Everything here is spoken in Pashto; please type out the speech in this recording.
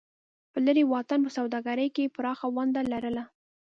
په لرې واټن په سوداګرۍ کې یې پراخه ونډه لرله.